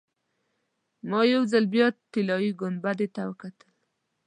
ما یو ځل بیا طلایي ګنبدې ته وکتل.